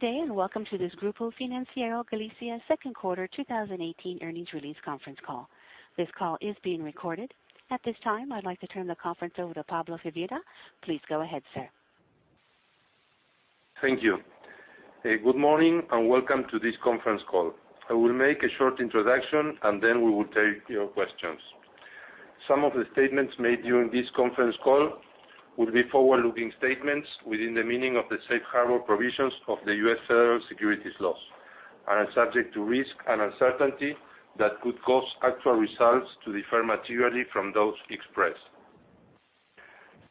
Good day, welcome to this Grupo Financiero Galicia second quarter 2018 earnings release conference call. This call is being recorded. At this time, I'd like to turn the conference over to Pablo Firvida. Please go ahead, sir. Thank you. Good morning, welcome to this conference call. I will make a short introduction, then we will take your questions. Some of the statements made during this conference call will be forward-looking statements within the meaning of the safe harbor provisions of the U.S. federal securities laws, are subject to risk and uncertainty that could cause actual results to differ materially from those expressed.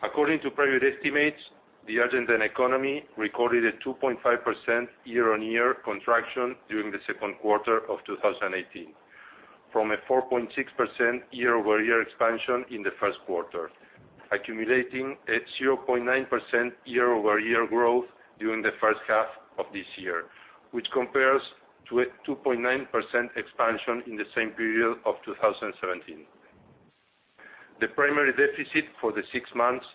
According to private estimates, the Argentine economy recorded a 2.5% year-on-year contraction during the second quarter of 2018, from a 4.6% year-over-year expansion in the first quarter, accumulating a 0.9% year-over-year growth during the first half of this year, which compares to a 2.9% expansion in the same period of 2017. The primary deficit for the six months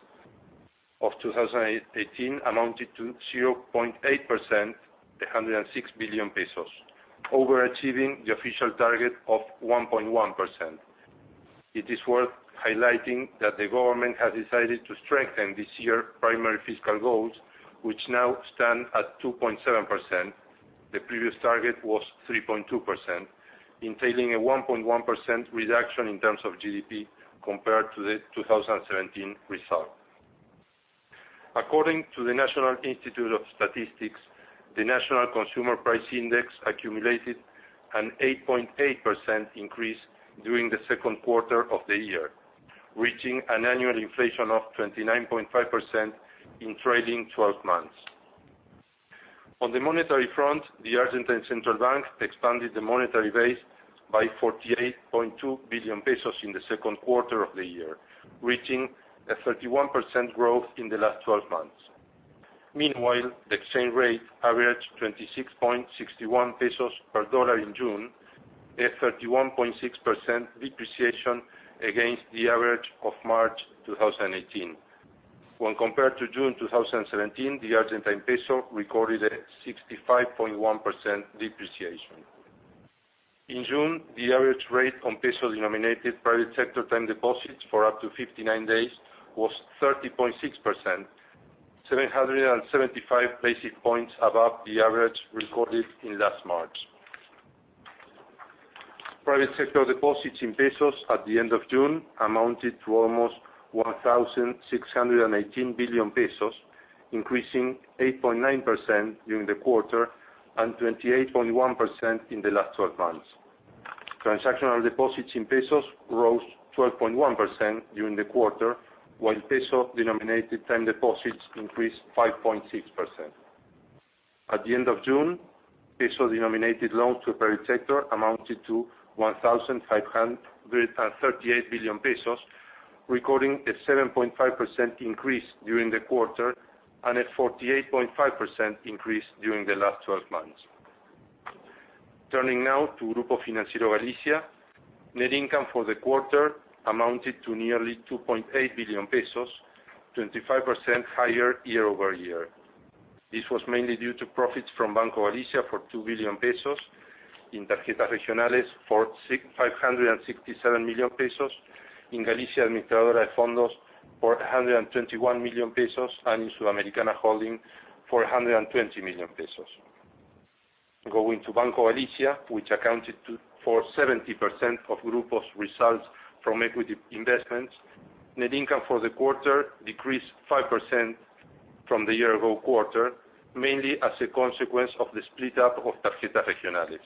of 2018 amounted to 0.8%, 106 billion pesos, overachieving the official target of 1.1%. It is worth highlighting that the government has decided to strengthen this year primary fiscal goals, which now stand at 2.7%. The previous target was 3.2%, entailing a 1.1% reduction in terms of GDP compared to the 2017 result. According to the National Institute of Statistics, the national consumer price index accumulated an 8.8% increase during the second quarter of the year, reaching an annual inflation of 29.5% in trading 12 months. On the monetary front, the Argentine Central Bank expanded the monetary base by 48.2 billion pesos in the second quarter of the year, reaching a 31% growth in the last 12 months. Meanwhile, the exchange rate averaged 26.61 pesos per U.S. dollar in June, a 31.6% depreciation against the average of March 2018. When compared to June 2017, the Argentine peso recorded a 65.1% depreciation. In June, the average rate on peso-denominated private sector term deposits for up to 59 days was 30.6%, 775 basic points above the average recorded in last March. Private sector deposits in pesos at the end of June amounted to almost 1,618 billion pesos, increasing 8.9% during the quarter and 28.1% in the last 12 months. Transactional deposits in pesos rose 12.1% during the quarter, while peso-denominated term deposits increased 5.6%. At the end of June, peso-denominated loans to the private sector amounted to 1,538 billion pesos, recording a 7.5% increase during the quarter, and a 48.5% increase during the last 12 months. Turning now to Grupo Financiero Galicia. Net income for the quarter amounted to nearly 2.8 billion pesos, 25% higher year-over-year. This was mainly due to profits from Banco Galicia for 2 billion pesos, in Tarjetas Regionales for 567 million pesos, in Galicia Administradora de Fondos for 121 million pesos, and in Sudamericana Holding for 120 million pesos. Going to Banco Galicia, which accounted for 70% of Grupo's results from equity investments, net income for the quarter decreased 5% from the year-ago quarter, mainly as a consequence of the split up of Tarjetas Regionales.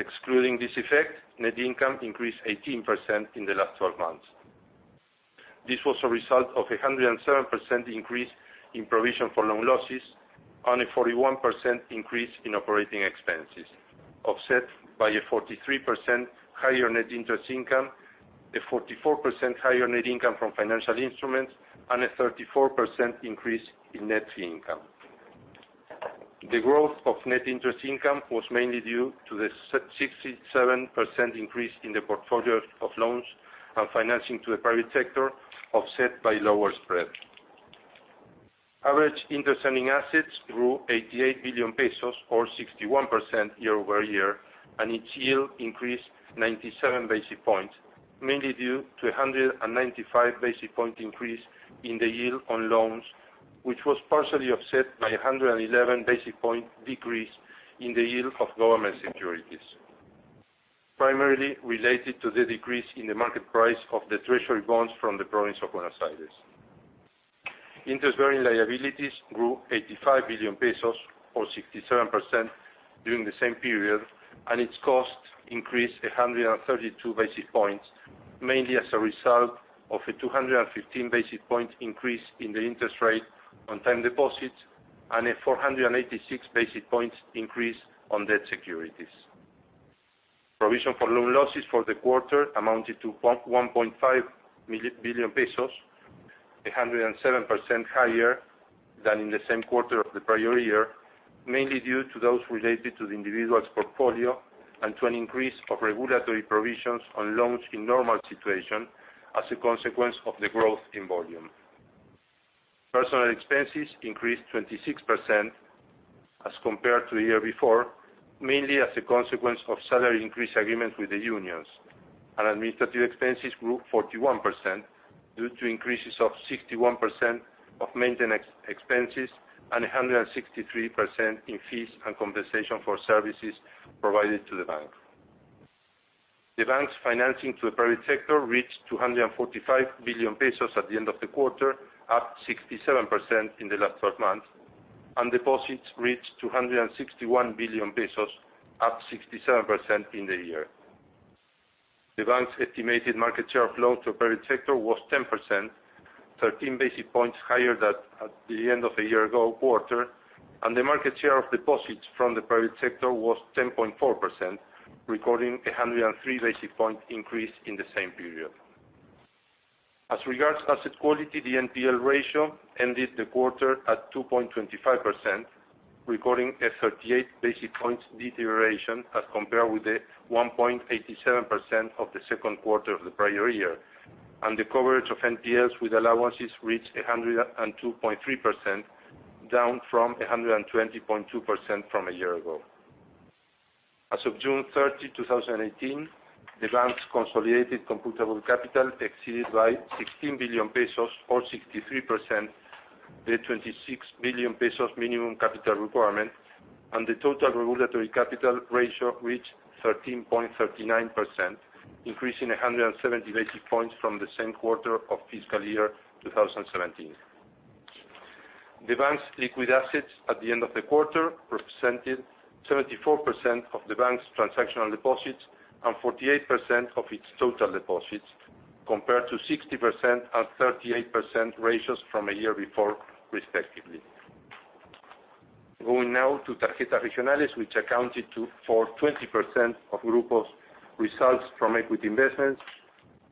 Excluding this effect, net income increased 18% in the last 12 months. This was a result of 107% increase in provision for loan losses and a 41% increase in operating expenses, offset by a 43% higher net interest income, a 44% higher net income from financial instruments, and a 34% increase in net fee income. The growth of net interest income was mainly due to the 67% increase in the portfolio of loans and financing to the private sector, offset by lower spread. Average interest-earning assets grew 88 billion pesos or 61% year-over-year, and its yield increased 97 basic points, mainly due to 195 basic points increase in the yield on loans, which was partially offset by 111 basic points decrease in the yield of government securities, primarily related to the decrease in the market price of the treasury bonds from the Province of Buenos Aires. Interest-bearing liabilities grew 85 billion pesos, or 67%, during the same period, and its cost increased 132 basic points, mainly as a result of a 215 basic points increase in the interest rate on term deposits and a 486 basic points increase on debt securities. Provision for loan losses for the quarter amounted to 1.5 billion pesos, 107% higher than in the same quarter of the prior year, mainly due to those related to the individuals portfolio and to an increase of regulatory provisions on loans in normal situation as a consequence of the growth in volume. Personnel expenses increased 26% as compared to the year before, mainly as a consequence of salary increase agreement with the unions. Administrative expenses grew 41%, due to increases of 61% of maintenance expenses and 163% in fees and compensation for services provided to the bank. The bank's financing to the private sector reached 245 billion pesos at the end of the quarter, up 67% in the last 12 months, and deposits reached 261 billion pesos, up 67% in the year. The bank's estimated market share of loans to the private sector was 10%, 13 basic points higher at the end of a year-ago quarter, and the market share of deposits from the private sector was 10.4%, recording 103 basic points increase in the same period. As regards asset quality, the NPL ratio ended the quarter at 2.25%, recording a 38 basic points deterioration as compared with the 1.87% of the second quarter of the prior year, and the coverage of NPLs with allowances reached 102.3%, down from 120.2% from a year ago. As of June 30, 2018, the bank's consolidated computable capital exceeded by 16 billion pesos, or 63%, the 26 billion pesos minimum capital requirement, and the total regulatory capital ratio reached 13.39%, increasing 107 basic points from the same quarter of fiscal year 2017. The bank's liquid assets at the end of the quarter represented 74% of the bank's transactional deposits and 48% of its total deposits, compared to 60% and 38% ratios from a year before, respectively. Going now to Tarjetas Regionales, which accounted for 20% of Grupo's results from equity investments.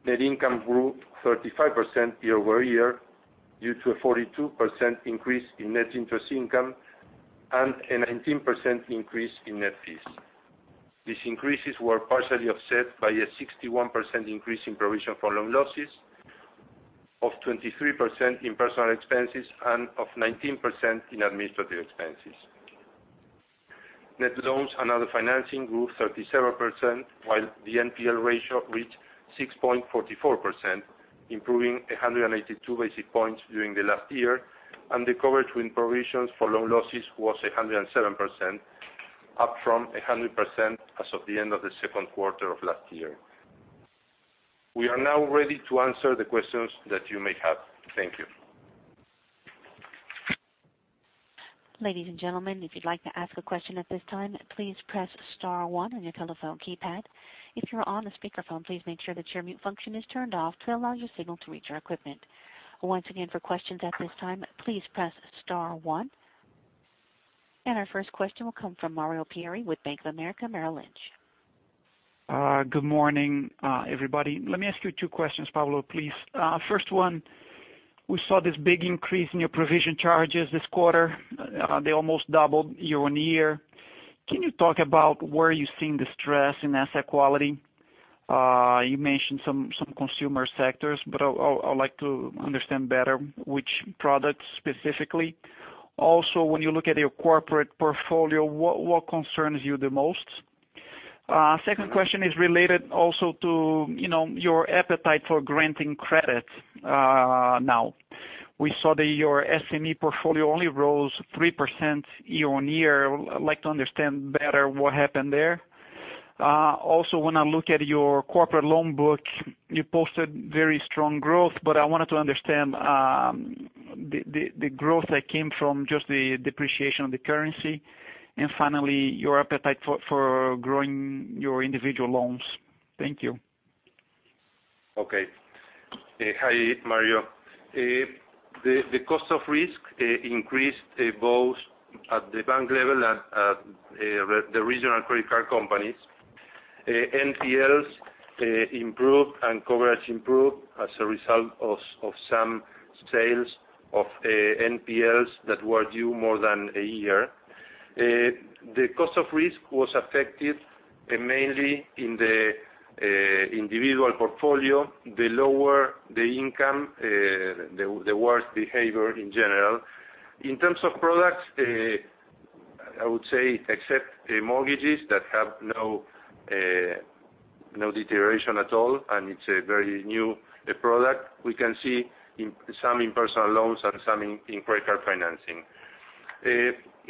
Net income grew 35% year-over-year, due to a 42% increase in net interest income and a 19% increase in net fees. These increases were partially offset by a 61% increase in provision for loan losses, of 23% in personal expenses, and of 19% in administrative expenses. Net loans and other financing grew 37%, while the NPL ratio reached 6.44%, improving 182 basis points during the last year, and the coverage with provisions for loan losses was 107%, up from 100% as of the end of the second quarter of last year. We are now ready to answer the questions that you may have. Thank you. Ladies and gentlemen, if you'd like to ask a question at this time, please press *1 on your telephone keypad. If you are on the speakerphone, please make sure that your mute function is turned off to allow your signal to reach our equipment. Once again, for questions at this time, please press *1. Our first question will come from Mario Prieto with Bank of America Merrill Lynch. Good morning, everybody. Let me ask you two questions, Pablo, please. First one, we saw this big increase in your provision charges this quarter. They almost doubled year-on-year. Can you talk about where you're seeing the stress in asset quality? You mentioned some consumer sectors, but I'd like to understand better which products specifically. Also, when you look at your corporate portfolio, what concerns you the most? Second question is related also to your appetite for granting credit now. We saw that your SME portfolio only rose 3% year-on-year. I'd like to understand better what happened there. Also, when I look at your corporate loan book, you posted very strong growth, but I wanted to understand the growth that came from just the depreciation of the currency, and finally, your appetite for growing your individual loans. Thank you. Okay. Hi, Mario. The cost of risk increased both at the bank level and at the regional credit card companies. NPLs improved and coverage improved as a result of some sales of NPLs that were due more than a year. The cost of risk was affected mainly in the individual portfolio, the lower the income, the worse behavior in general. In terms of products, I would say except mortgages that have no deterioration at all, and it's a very new product, we can see some in personal loans and some in credit card financing.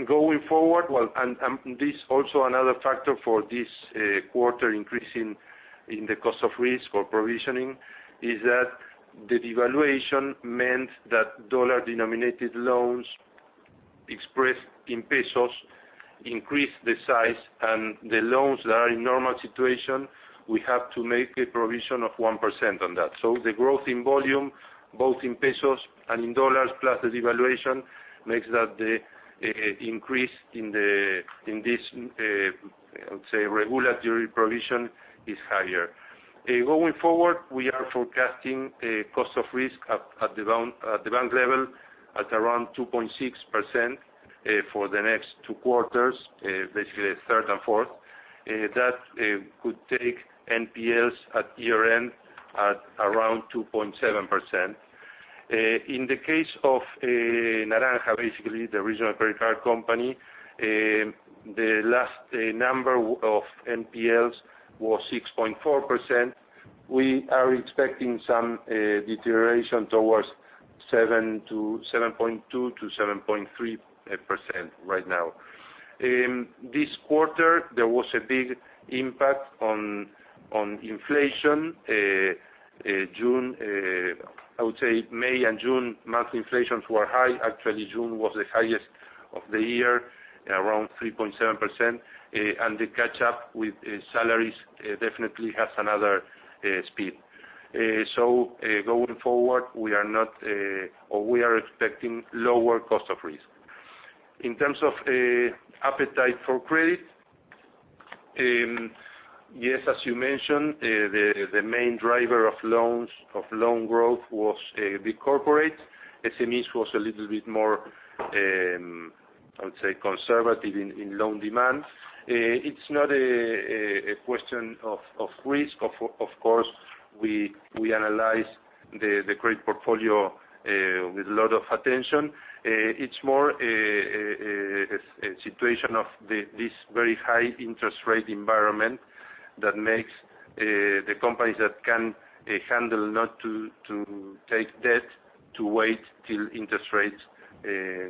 Going forward, and this also another factor for this quarter increase in the cost of risk or provisioning, is that the devaluation meant that dollar-denominated loans expressed in pesos increased the size, and the loans that are in normal situation, we have to make a provision of 1% on that. The growth in volume, both in pesos and in dollars, plus the devaluation, makes that the increase in this, let's say, regulatory provision is higher. Going forward, we are forecasting a cost of risk at the bank level at around 2.6% for the next two quarters, basically the third and fourth. That could take NPLs at year-end at around 2.7%. In the case of Naranja, basically the original credit card company, the last number of NPLs was 6.4%. We are expecting some deterioration towards 7.2%-7.3% right now. This quarter, there was a big impact on inflation. I would say May and June monthly inflations were high. Actually, June was the highest of the year, around 3.7%, and the catch-up with salaries definitely has another speed. Going forward, we are expecting lower cost of risk. In terms of appetite for credit, yes, as you mentioned, the main driver of loan growth was the corporate. SMEs was a little bit more, I would say, conservative in loan demand. It's not a question of risk. Of course, we analyze the credit portfolio with a lot of attention. It's more a situation of this very high interest rate environment that makes the companies that can handle not to take debt, to wait till interest rates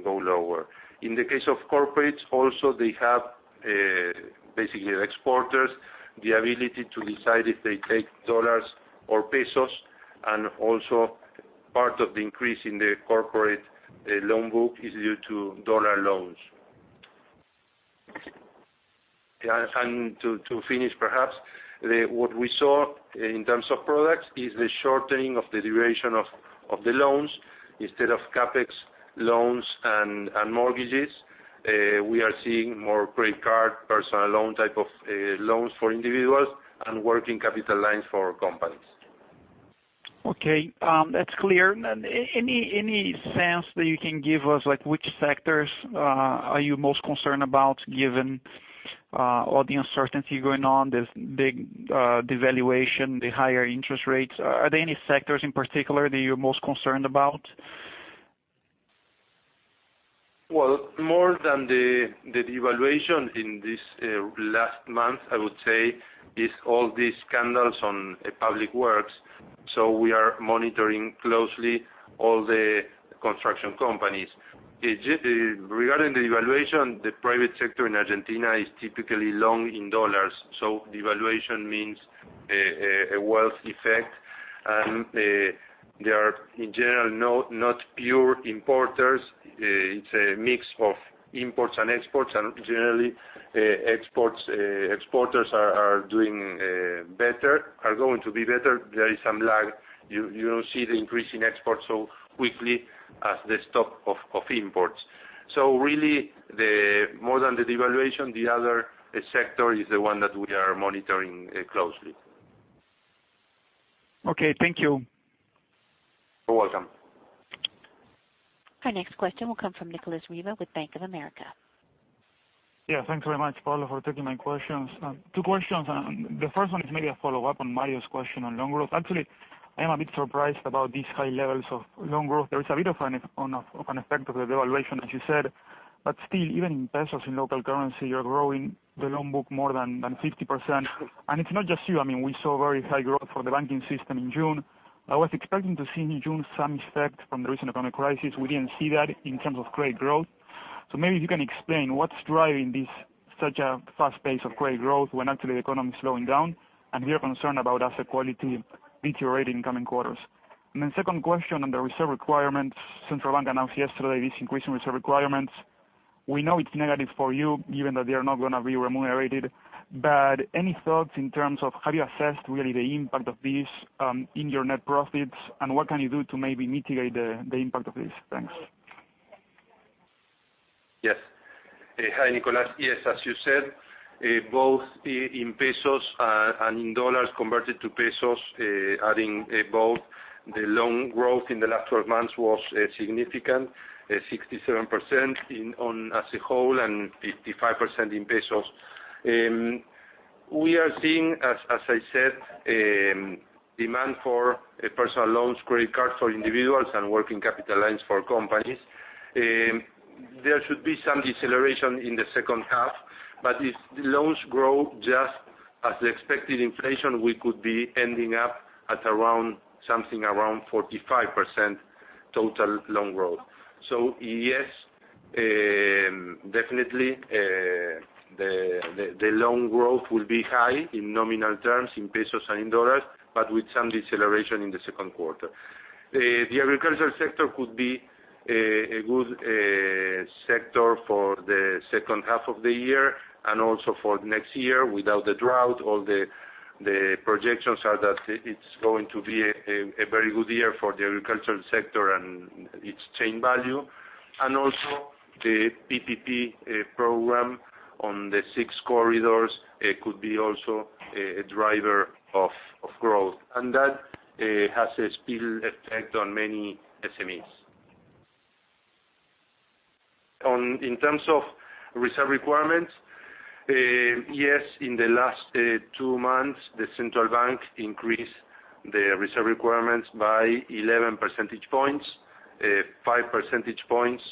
go lower. In the case of corporates, also, they have, basically exporters, the ability to decide if they take dollars or pesos, and also part of the increase in the corporate loan book is due to dollar loans. To finish perhaps, what we saw in terms of products is the shortening of the duration of the loans. Instead of CapEx loans and mortgages, we are seeing more credit card, personal loan type of loans for individuals and working capital lines for companies. Okay. That's clear. Any sense that you can give us, like which sectors are you most concerned about given all the uncertainty going on, this big devaluation, the higher interest rates? Are there any sectors in particular that you're most concerned about? Well, more than the devaluation in this last month, I would say, is all these scandals on public works. We are monitoring closely all the construction companies. Regarding the devaluation, the private sector in Argentina is typically long in dollars. Devaluation means a wealth effect, and they are, in general, not pure importers. It's a mix of imports and exports, and generally exporters are doing better, are going to be better. There is some lag. You don't see the increase in exports so quickly as the stop of imports. Really, more than the devaluation, the other sector is the one that we are monitoring closely. Okay, thank you. You're welcome. Our next question will come from Nicolas Riva with Bank of America. Yeah, thanks very much, Pablo, for taking my questions. Two questions. The first one is maybe a follow-up on Mario's question on loan growth. Actually, I am a bit surprised about these high levels of loan growth. There is a bit of an effect of the devaluation, as you said, but still, even in pesos, in local currency, you're growing the loan book more than 50%. It's not just you. We saw very high growth for the banking system in June. I was expecting to see in June some effect from the recent economic crisis. We didn't see that in terms of credit growth. Maybe if you can explain what's driving such a fast pace of credit growth when actually the economy is slowing down, and we are concerned about asset quality deteriorating in coming quarters. The second question on the reserve requirements. Central Bank announced yesterday this increase in reserve requirements. We know it's negative for you, given that they are not going to be remunerated, but any thoughts in terms of how you assessed really the impact of this in your net profits, and what can you do to maybe mitigate the impact of this? Thanks. Yes. Hi, Nicolas. Yes, as you said, both in pesos and in dollars converted to pesos, adding both the loan growth in the last 12 months was significant, 67% as a whole and 55% in pesos. We are seeing, as I said, demand for personal loans, credit cards for individuals, and working capital lines for companies. There should be some deceleration in the second half, but if loans grow just as the expected inflation, we could be ending up at something around 45% total loan growth. Yes, definitely, the loan growth will be high in nominal terms, in pesos and in dollars, but with some deceleration in the second quarter. The agricultural sector could be a good sector for the second half of the year and also for next year. Without the drought, all the projections are that it's going to be a very good year for the agricultural sector and its chain value. The PPP program on the 6 corridors could be also a driver of growth. That has a spill effect on many SMEs. In terms of reserve requirements, yes, in the last 2 months, the central bank increased the reserve requirements by 11 percentage points, 5 percentage points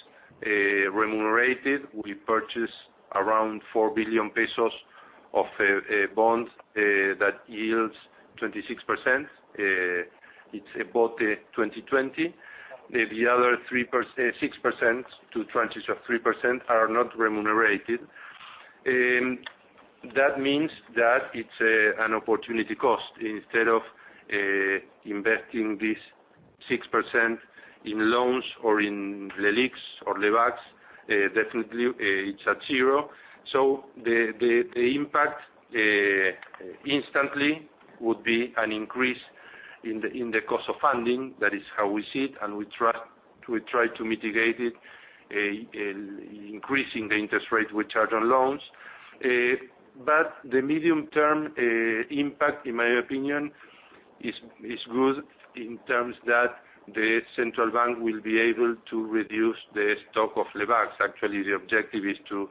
remunerated. We purchased around 4 billion pesos of bonds that yields 26%. It's about 2020. The other 6%, two-twentieths of 3%, are not remunerated. That means that it's an opportunity cost. Instead of investing this 6% in loans or in Lebacs, definitely it's at 0. The impact instantly would be an increase in the cost of funding. That is how we see it, we try to mitigate it, increasing the interest rate we charge on loans. The medium-term impact, in my opinion, is good in that the central bank will be able to reduce the stock of Lebacs. Actually, the objective is to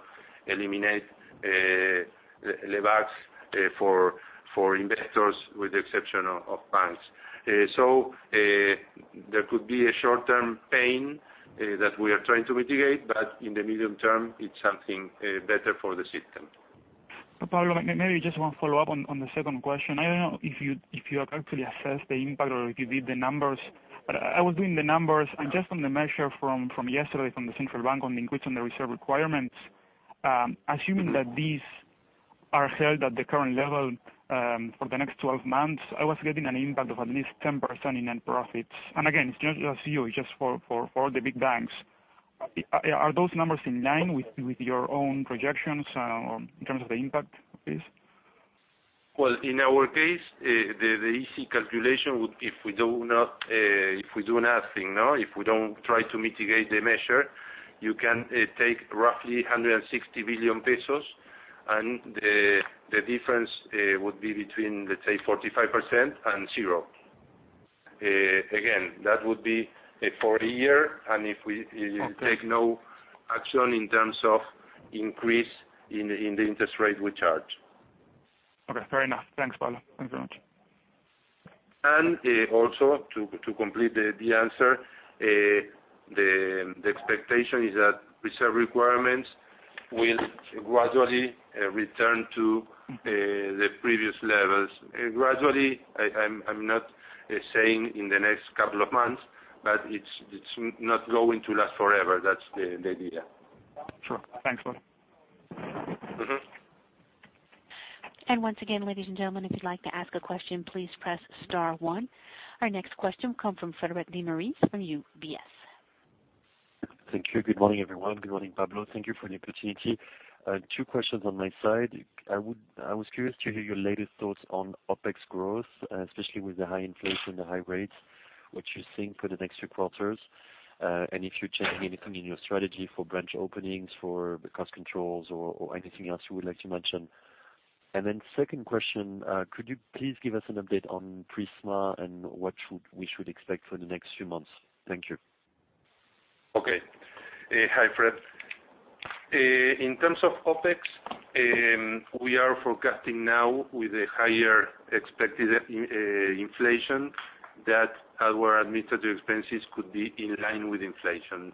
eliminate Lebacs for investors, with the exception of banks. There could be a short-term pain that we are trying to mitigate, in the medium term, it's something better for the system. Pablo, maybe just 1 follow-up on the second question. I don't know if you have actually assessed the impact or if you did the numbers, I was doing the numbers and just on the measure from yesterday from the central bank on increasing the reserve requirements, assuming that these are held at the current level for the next 12 months, I was getting an impact of at least 10% in net profits. Again, it's just for you, it's just for the big banks. Are those numbers in line with your own projections in terms of the impact of this? Well, in our case, the easy calculation, if we do nothing, if we don't try to mitigate the measure, you can take roughly 160 billion pesos and the difference would be between, let's say, 45% and 0. Again, that would be for a year, if we take no action in terms of increase in the interest rate we charge. Okay, fair enough. Thanks, Pablo. Thank you very much. Also, to complete the answer, the expectation is that reserve requirements will gradually return to the previous levels. Gradually, I'm not saying in the next couple of months, but it's not going to last forever. That's the idea. Sure. Thanks, Pablo. Once again, ladies and gentlemen, if you'd like to ask a question, please press star one. Our next question come from Frederic de Mariz from UBS. Thank you. Good morning, everyone. Good morning, Pablo. Thank you for the opportunity. Two questions on my side. I was curious to hear your latest thoughts on OpEx growth, especially with the high inflation, the high rates, what you think for the next few quarters, and if you're changing anything in your strategy for branch openings, for cost controls or anything else you would like to mention. Second question, could you please give us an update on Prisma and what we should expect for the next few months? Thank you. Okay. Hi, Fred. In terms of OpEx, we are forecasting now with a higher expected inflation that our administrative expenses could be in line with inflation.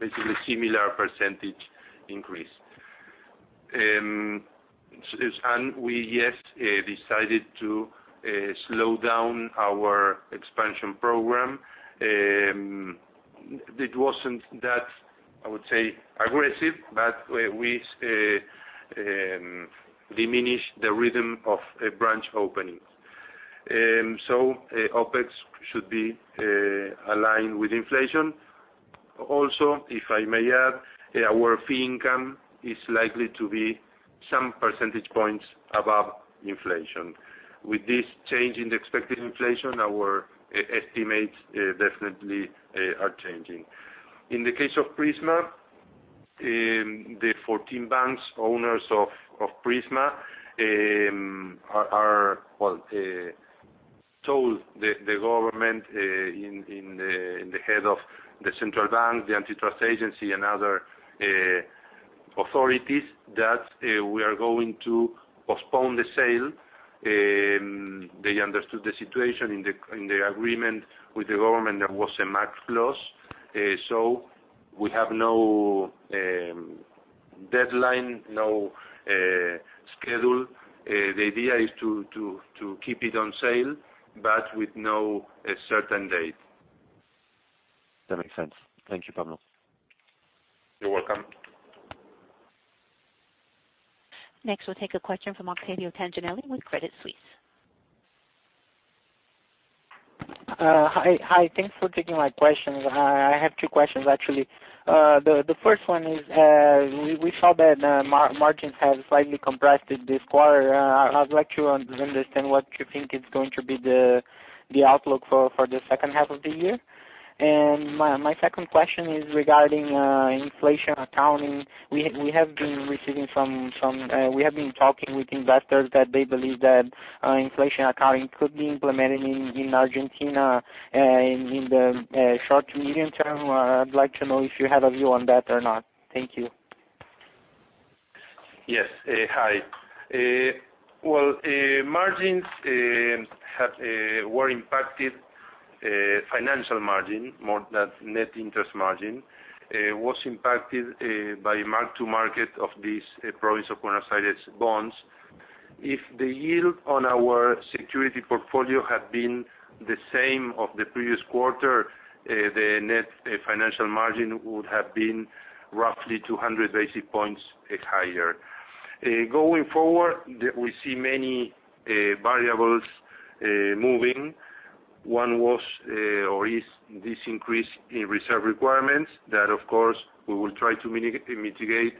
Basically, similar percentage increase. We, yes, decided to slow down our expansion program. It wasn't that, I would say, aggressive, but we diminished the rhythm of branch openings. OpEx should be aligned with inflation. Also, if I may add, our fee income is likely to be some percentage points above inflation. With this change in the expected inflation, our estimates definitely are changing. In the case of Prisma, the 14 banks, owners of Prisma, told the government in the head of the central bank, the antitrust agency, and other authorities that we are going to postpone the sale. They understood the situation. In the agreement with the government, there was a max loss, so we have no deadline, no schedule. The idea is to keep it on sale, but with no certain date. That makes sense. Thank you, Pablo. You're welcome. We'll take a question from Octavio Tanganelli with Credit Suisse. Hi. Thanks for taking my questions. I have two questions, actually. The first one is, we saw that margins have slightly compressed this quarter. I would like to understand what you think is going to be the outlook for the second half of the year. My second question is regarding inflation accounting. We have been talking with investors that they believe that inflation accounting could be implemented in Argentina in the short to medium term. I'd like to know if you have a view on that or not. Thank you. Yes. Hi. Well, financial margin, more than net interest margin, was impacted by mark-to-market of these Province of Buenos Aires bonds. If the yield on our security portfolio had been the same as the previous quarter, the net financial margin would have been roughly 200 basic points higher. Going forward, we see many variables moving. One is this increase in reserve requirements that, of course, we will try to mitigate,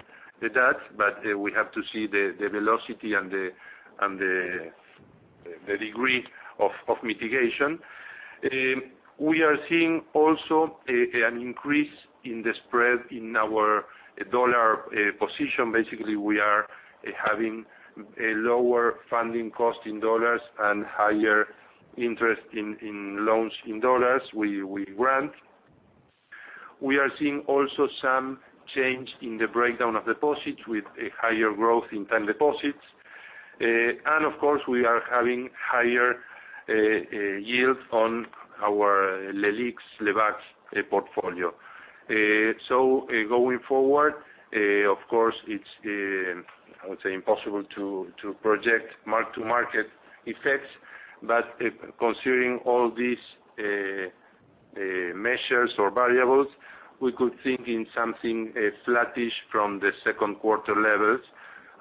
but we have to see the velocity and the degree of mitigation. We are seeing also an increase in the spread in our dollar position. Basically, we are having a lower funding cost in dollars and higher interest in loans in dollars we grant. We are seeing also some change in the breakdown of deposits with a higher growth in term deposits. Of course, we are having higher yield on our Lebacs portfolio. Going forward, of course, it's, I would say, impossible to project mark-to-market effects. Considering all these measures or variables, we could think in something flattish from the second quarter levels.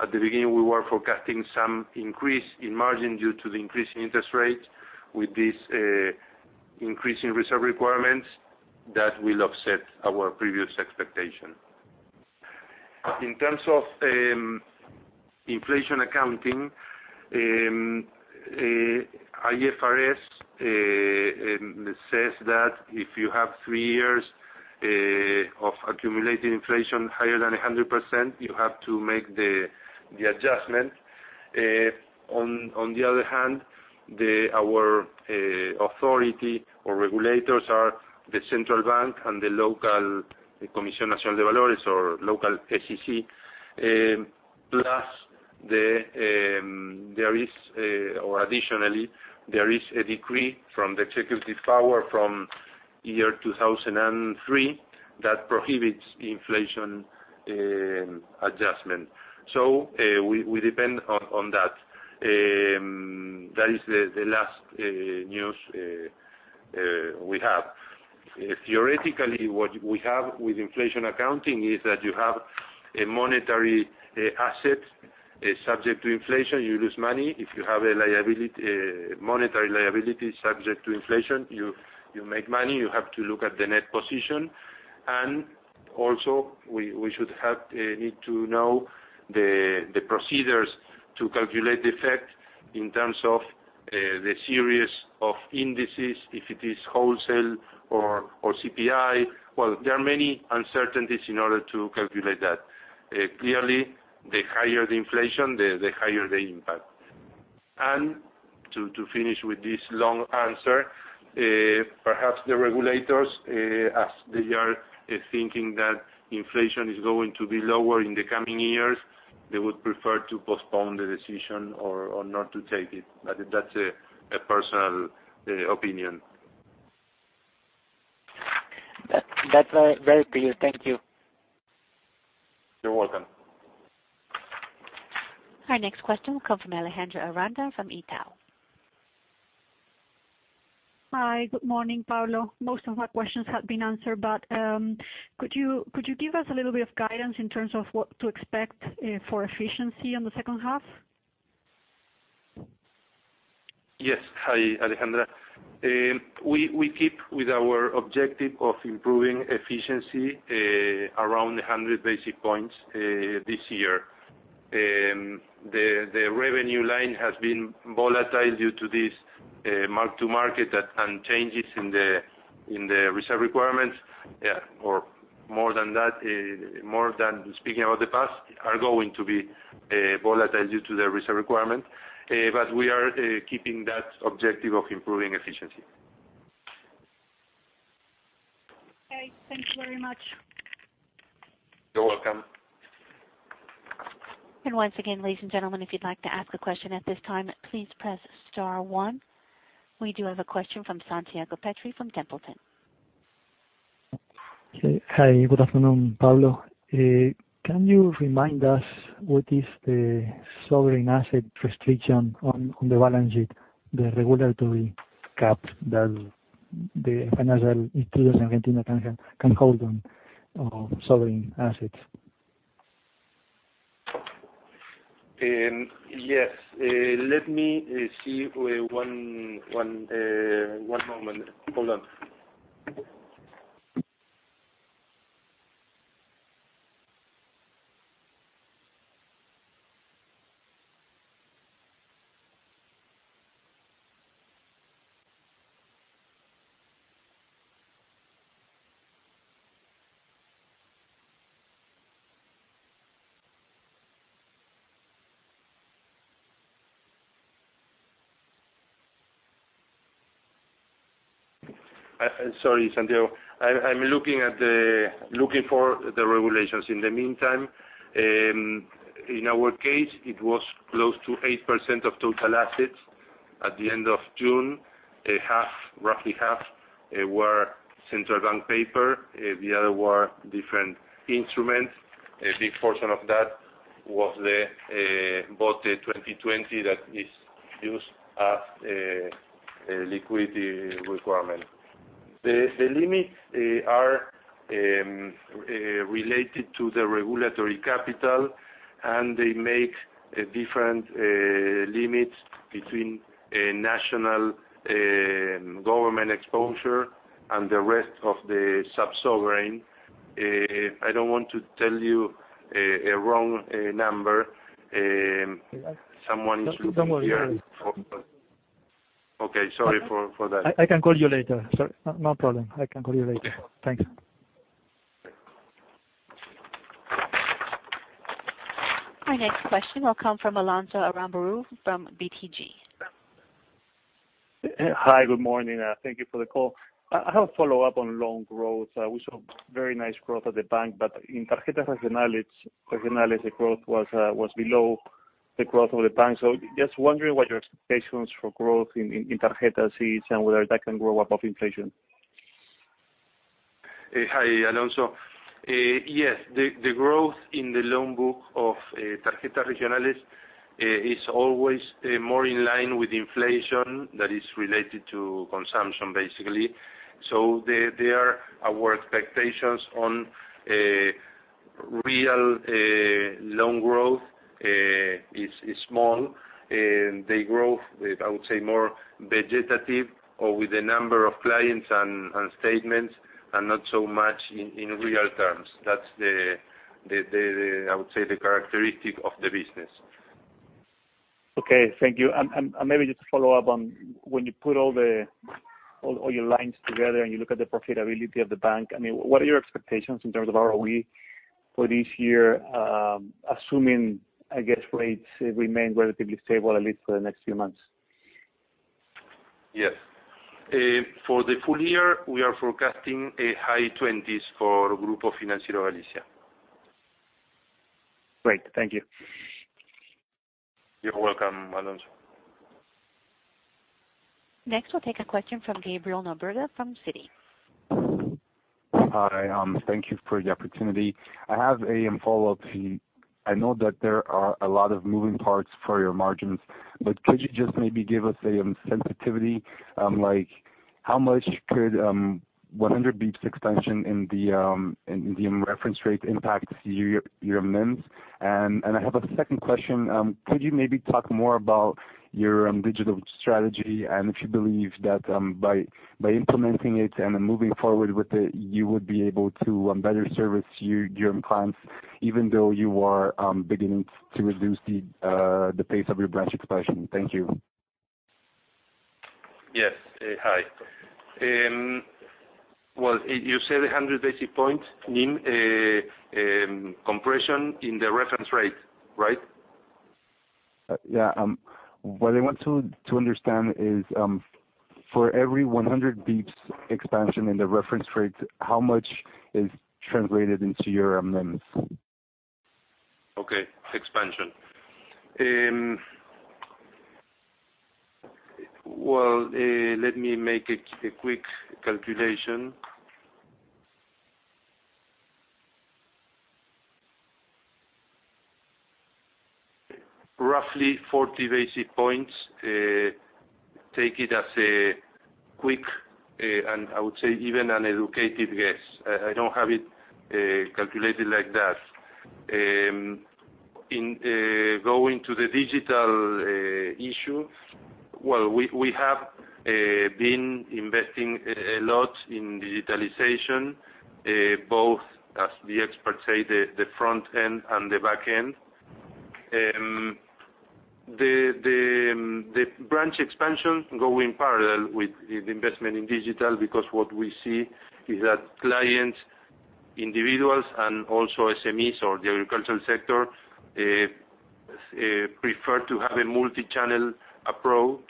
At the beginning, we were forecasting some increase in margin due to the increase in interest rates. With this increase in reserve requirements, that will offset our previous expectation. In terms of inflation accounting, IFRS says that if you have three years of accumulated inflation higher than 100%, you have to make the adjustment. On the other hand, our authority or regulators are the central bank and the local Comisión Nacional de Valores, or local SEC. Additionally, there is a decree from the executive power from the year 2003 that prohibits inflation adjustment. We depend on that. That is the last news we have. Theoretically, what we have with inflation accounting is that you have a monetary asset subject to inflation, you lose money. If you have a monetary liability subject to inflation, you make money. You have to look at the net position. Also, we need to know the procedures to calculate the effect in terms of the series of indices, if it is wholesale or CPI. There are many uncertainties in order to calculate that. Clearly, the higher the inflation, the higher the impact. To finish with this long answer, perhaps the regulators, as they are thinking that inflation is going to be lower in the coming years, they would prefer to postpone the decision or not to take it. That's a personal opinion. That's very clear. Thank you. You're welcome. Our next question comes from Alejandra Aranda from Itaú. Hi. Good morning, Pablo. Most of my questions have been answered, could you give us a little bit of guidance in terms of what to expect for efficiency in the second half? Yes. Hi, Alejandra. We keep with our objective of improving efficiency around 100 basic points this year. The revenue line has been volatile due to this mark-to-market and changes in the reserve requirements. More than speaking about the past, are going to be volatile due to the reserve requirement. We are keeping that objective of improving efficiency. Okay. Thank you very much. You're welcome. Once again, ladies and gentlemen, if you'd like to ask a question at this time, please press star one. We do have a question from Santiago Petri from Templeton. Hi. Good afternoon, Pablo. Can you remind us what is the sovereign asset restriction on the balance sheet, the regulatory cap that the financial institutions in Argentina can hold on sovereign assets? Yes. Let me see. One moment. Hold on. Sorry, Santiago. I'm looking for the regulations. In the meantime, in our case, it was close to 8% of total assets at the end of June. Roughly half were central bank paper, the other were different instruments. A big portion of that was the BOTE 2020 that is used as a liquidity requirement. The limits are related to the regulatory capital, and they make different limits between national government exposure and the rest of the sub-sovereign. I don't want to tell you a wrong number. Someone should be here. Don't worry. Okay, sorry for that. I can call you later. Sorry. No problem. I can call you later. Thanks. Our next question will come from Alonso Aramburú from BTG. Hi. Good morning. Thank you for the call. I have a follow-up on loan growth. We saw very nice growth at the bank, but in Tarjetas Regionales, the growth was below the growth of the bank. Just wondering what your expectations for growth in Tarjetas is and whether that can grow above inflation. Hi, Alonso. Yes, the growth in the loan book of Tarjetas Regionales is always more in line with inflation that is related to consumption, basically. There, our expectations on real loan growth is small. They grow with, I would say, more vegetative or with the number of clients and statements, and not so much in real terms. That's, I would say, the characteristic of the business. Okay. Thank you. Maybe just to follow up on when you put all your lines together and you look at the profitability of the bank, what are your expectations in terms of ROE for this year, assuming, I guess, rates remain relatively stable, at least for the next few months? Yes. For the full year, we are forecasting high 20s for Grupo Financiero Galicia. Great. Thank you. You're welcome, Alonso. Next, we'll take a question from Gabriel Nobrega from Citi. Hi. Thank you for the opportunity. I have a follow-up. I know that there are a lot of moving parts for your margins, could you just maybe give us a sensitivity, like how much could a 100 basis points expansion in the reference rate impact your NIMs? I have a second question. Could you maybe talk more about your digital strategy and if you believe that by implementing it and then moving forward with it, you would be able to better service your clients, even though you are beginning to reduce the pace of your branch expansion? Thank you. Yes. Hi. Well, you said 100 basic points NIM compression in the reference rate, right? Yeah. What I want to understand is, for every 100 bips expansion in the reference rates, how much is translated into your NIMs? Okay. Expansion. Well, let me make a quick calculation. Roughly 40 basic points. Take it as a quick, and I would say even an educated guess. I don't have it calculated like that. In going to the digital issue, well, we have been investing a lot in digitalization, both, as the experts say, the front end and the back end. The branch expansion goes in parallel with the investment in digital, because what we see is that clients, individuals, and also SMEs or the agricultural sector, prefer to have a multi-channel approach.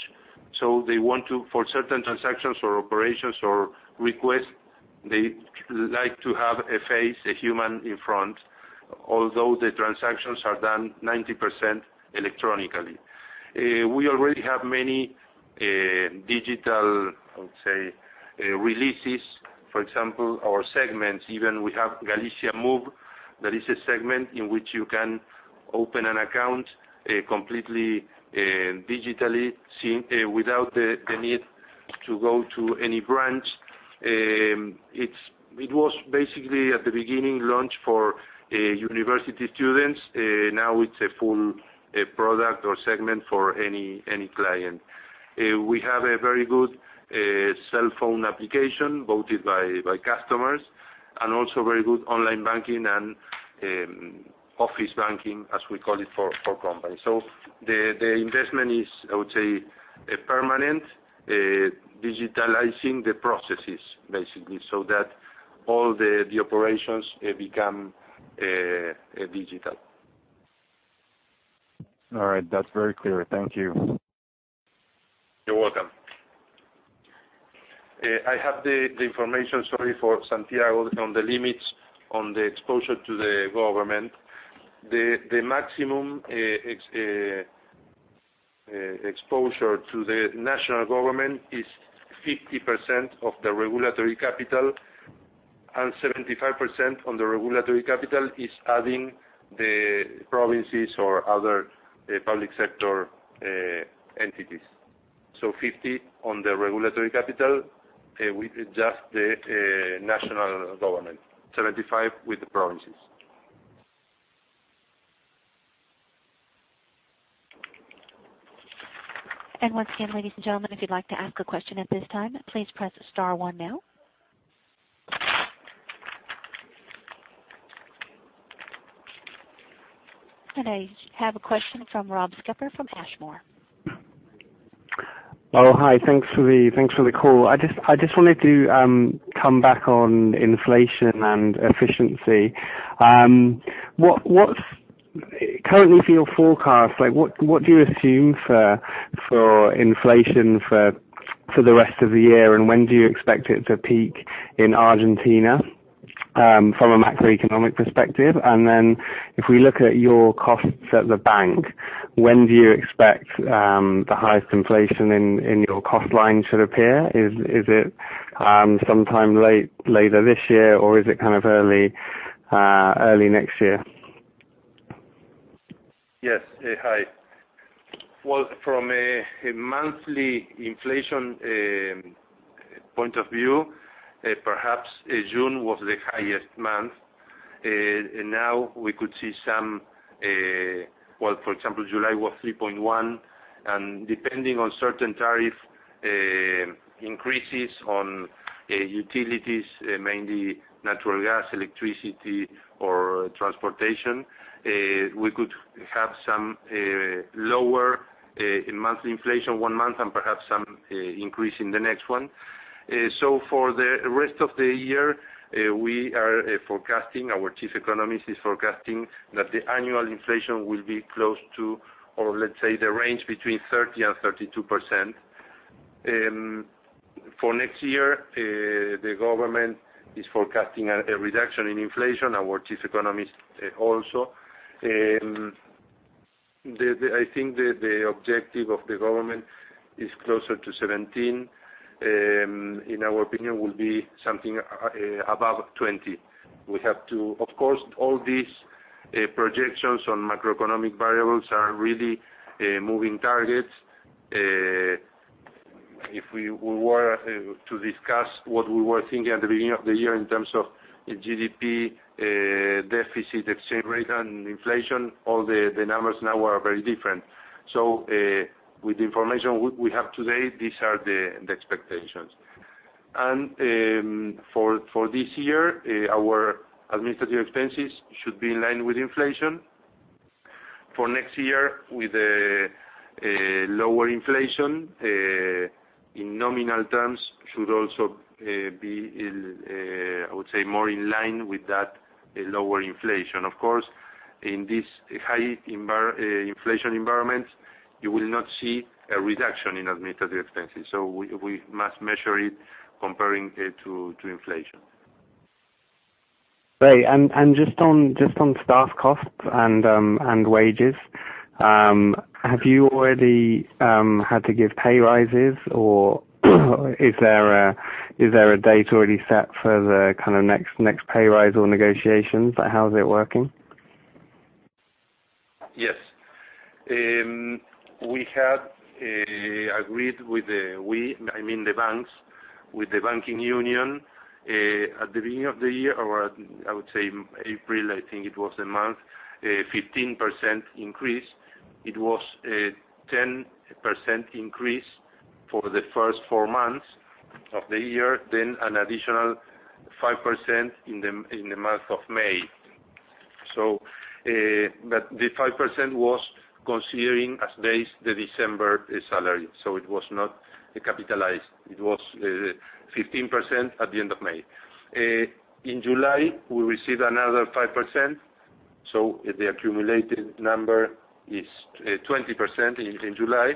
They want to, for certain transactions or operations or requests, they like to have a face, a human in front, although the transactions are done 90% electronically. We already have many digital, I would say, releases, for example, or segments. Even we have Galicia Move. That is a segment in which you can open an account completely digitally, without the need to go to any branch. It was basically, at the beginning, launched for university students. Now it's a full product or segment for any client. We have a very good cell phone application, voted by customers, and also very good online banking and office banking, as we call it, for companies. The investment is, I would say, permanent, digitalizing the processes, basically, so that all the operations become digital. All right. That's very clear. Thank you. You're welcome. I have the information, sorry, for Santiago on the limits on the exposure to the government. The maximum exposure to the national government is 50% of the regulatory capital, and 75% on the regulatory capital is adding the provinces or other public sector entities. So 50 on the regulatory capital, with just the national government, 75 with the provinces. Once again, ladies and gentlemen, if you'd like to ask a question at this time, please press star one now. I have a question from Rob Skipper from Ashmore. Hi. Thanks for the call. I just wanted to come back on inflation and efficiency. Currently, for your forecast, what do you assume for inflation for the rest of the year, and when do you expect it to peak in Argentina, from a macroeconomic perspective? Then if we look at your costs at the bank, when do you expect the highest inflation in your cost line to appear? Is it sometime later this year, or is it kind of early next year? Yes. Hi. From a monthly inflation point of view, perhaps June was the highest month. For example, July was 3.1, and depending on certain tariff increases on utilities, mainly natural gas, electricity, or transportation, we could have some lower monthly inflation one month and perhaps some increase in the next one. For the rest of the year, our chief economist is forecasting that the annual inflation will be close to, or let's say the range between 30% and 32%. For next year, the government is forecasting a reduction in inflation, our chief economist also. I think the objective of the government is closer to 17%. In our opinion, will be something above 20%. Of course, all these projections on macroeconomic variables are really moving targets. If we were to discuss what we were thinking at the beginning of the year in terms of GDP, deficit, exchange rate, and inflation, all the numbers now are very different. With the information we have today, these are the expectations. For this year, our administrative expenses should be in line with inflation. For next year, with lower inflation, in nominal terms, should also be, I would say, more in line with that lower inflation. Of course, in this high inflation environment, you will not see a reduction in administrative expenses. We must measure it comparing it to inflation. Great. Just on staff costs and wages, have you already had to give pay rises, or is there a date already set for the next pay rise or negotiations? How is it working? Yes. We had agreed with the, I mean the banks, with the banking union, at the beginning of the year, or I would say April, I think it was the month, a 15% increase. It was a 10% increase for the first four months of the year, then an additional 5% in the month of May. The 5% was considering as base the December salary, so it was not capitalized. It was 15% at the end of May. In July, we received another 5%, so the accumulated number is 20% in July.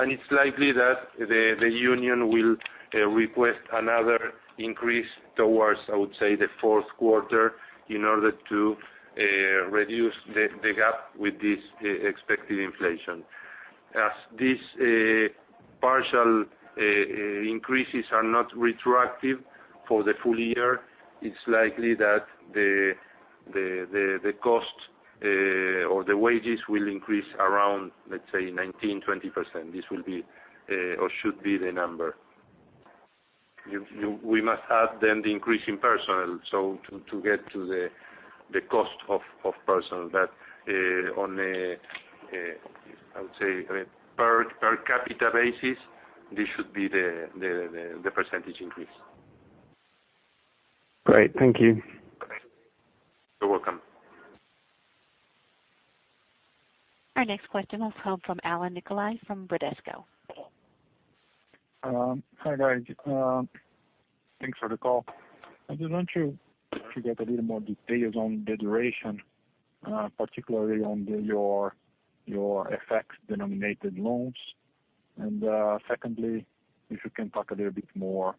It's likely that the union will request another increase towards, I would say, the fourth quarter in order to reduce the gap with this expected inflation. As these partial increases are not retroactive for the full year, it's likely that the cost or the wages will increase around, let's say 19%, 20%. This will be, or should be the number. We must add the increase in personnel to get to the cost of personnel. On a, I would say, per capita basis, this should be the % increase. Great. Thank you. You're welcome. Our next question is coming from Alan Nicolai of Bradesco. Hi, guys. Thanks for the call. I just want to get a little more details on the duration, particularly on your FX-denominated loans. Secondly, if you can talk a little bit more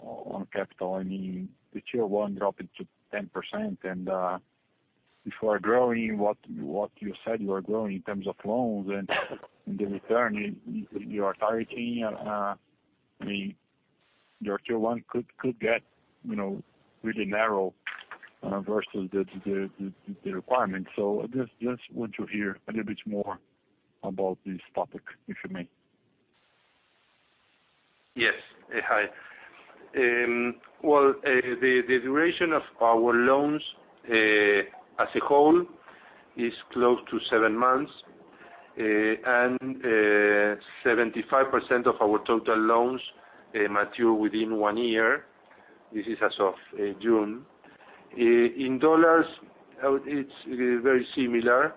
on capital. The Tier 1 dropping to 10%. If you are growing what you said you are growing in terms of loans and the return you are targeting, your Tier 1 could get really narrow versus the requirements. I just want to hear a little bit more about this topic, if you may. Yes. Hi. Well, the duration of our loans as a whole is close to seven months. 75% of our total loans mature within one year. This is as of June. In U.S. dollars, it's very similar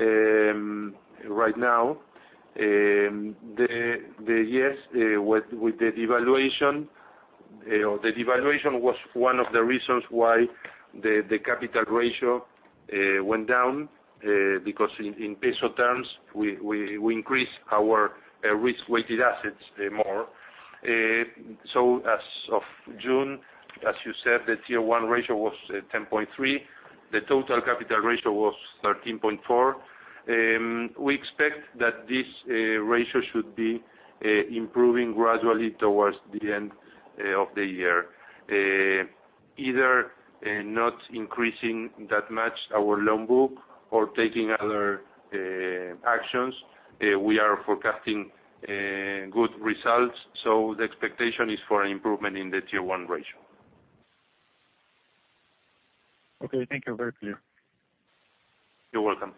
right now. Yes, with the devaluation. The devaluation was one of the reasons why the capital ratio went down, because in peso terms, we increased our risk-weighted assets more. As of June, as you said, the Tier 1 ratio was 10.3. The total capital ratio was 13.4. We expect that this ratio should be improving gradually towards the end of the year. Either not increasing that much our loan book or taking other actions, we are forecasting good results. The expectation is for an improvement in the Tier 1 ratio. Okay, thank you. Very clear. You're welcome.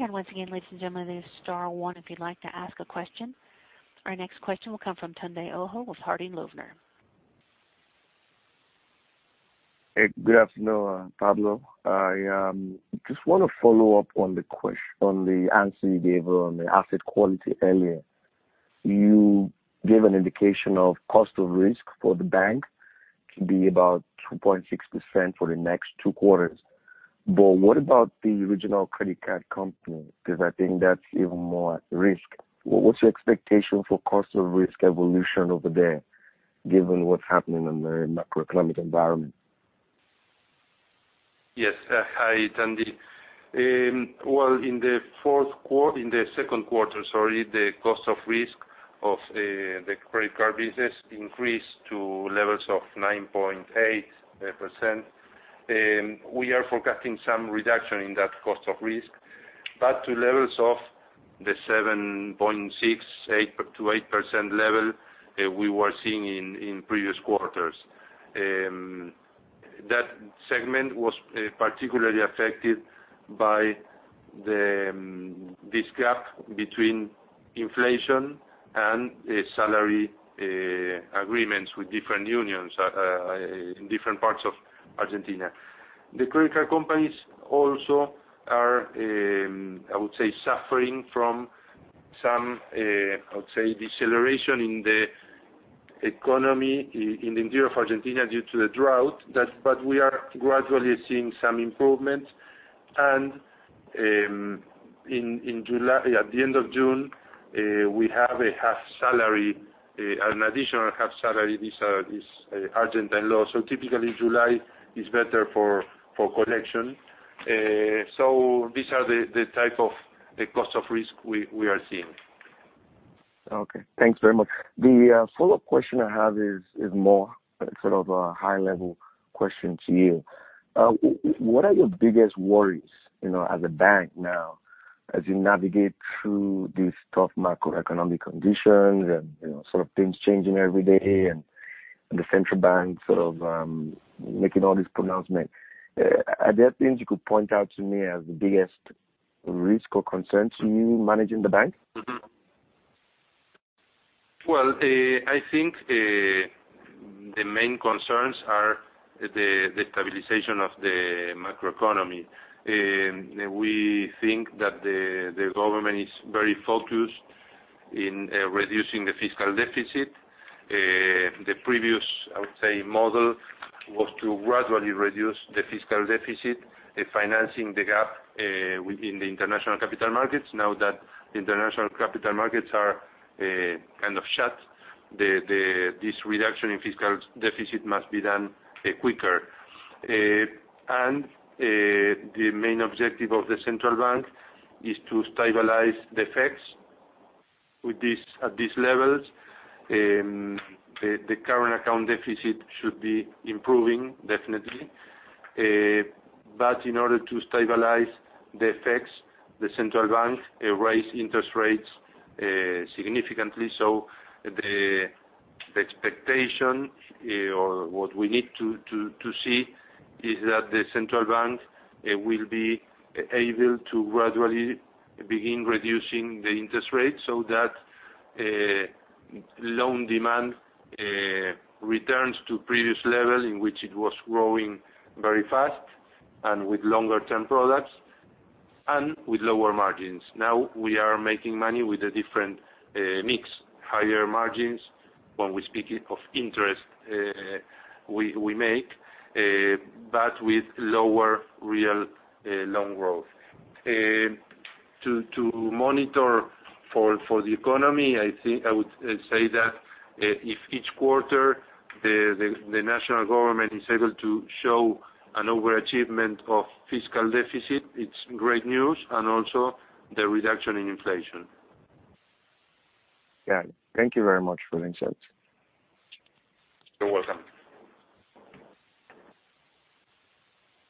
Once again, ladies and gentlemen, it is star one if you'd like to ask a question. Our next question will come from Babatunde Ojo with Harding Loevner. Hey, good afternoon, Pablo. I just want to follow up on the answer you gave on the asset quality earlier. You gave an indication of cost of risk for the bank to be about 2.6% for the next two quarters. What about the original credit card company? Because I think that's even more at risk. What's your expectation for cost of risk evolution over there, given what's happening in the macroeconomic environment? Yes. Hi, Tunde. In the second quarter, the cost of risk of the credit card business increased to levels of 9.8%. We are forecasting some reduction in that cost of risk back to levels of the 7.6%-8% level we were seeing in previous quarters. That segment was particularly affected by this gap between inflation and salary agreements with different unions in different parts of Argentina. The credit card companies also are, I would say, suffering from some, I would say, deceleration in the economy in the interior of Argentina due to the drought, but we are gradually seeing some improvement. At the end of June, we have an additional half salary, this Argentine law. Typically, July is better for collection. These are the type of the cost of risk we are seeing. Okay. Thanks very much. The follow-up question I have is more sort of a high-level question to you. What are your biggest worries as a bank now, as you navigate through these tough macroeconomic conditions and things changing every day and the central bank making all these pronouncements? Are there things you could point out to me as the biggest risk or concern to you managing the bank? Well, I think the main concerns are the stabilization of the macroeconomy. We think that the government is very focused in reducing the fiscal deficit. The previous, I would say, model was to gradually reduce the fiscal deficit, financing the gap in the international capital markets. Now that international capital markets are kind of shut, this reduction in fiscal deficit must be done quicker. The main objective of the Central Bank is to stabilize the FX at these levels. The current account deficit should be improving definitely. In order to stabilize the FX, the Central Bank raised interest rates significantly. The expectation, or what we need to see, is that the Central Bank will be able to gradually begin reducing the interest rate so that loan demand returns to previous levels in which it was growing very fast and with longer-term products and with lower margins. Now we are making money with a different mix, higher margins when we speak of interest we make, but with lower real loan growth. To monitor for the economy, I would say that if each quarter the national government is able to show an overachievement of fiscal deficit, it's great news, and also the reduction in inflation. Got it. Thank you very much for the insights. You're welcome.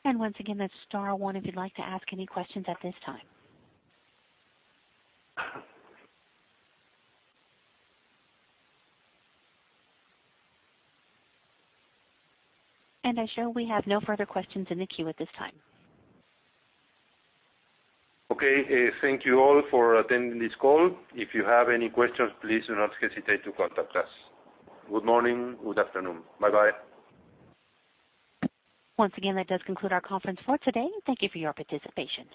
Once again, that's star one if you'd like to ask any questions at this time. I show we have no further questions in the queue at this time. Okay. Thank you all for attending this call. If you have any questions, please do not hesitate to contact us. Good morning. Good afternoon. Bye-bye. Once again, that does conclude our conference for today. Thank you for your participation.